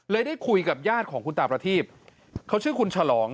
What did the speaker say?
ได้คุยกับญาติของคุณตาประทีบเขาชื่อคุณฉลอง